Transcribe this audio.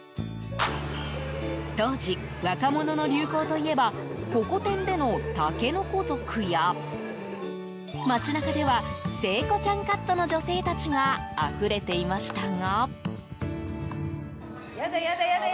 当時、若者の流行といえばホコ天での竹の子族や街中では聖子ちゃんカットの女性たちがあふれていましたが。